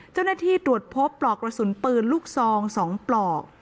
เจ้าหน้าที่ตรวจพบปลอกกระสุนปืนลูกซอง๒ปลอก